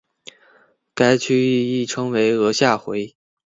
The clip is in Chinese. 该区域亦称为额下回。